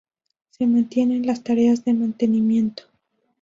Se mantienen las tareas de mantenimiento.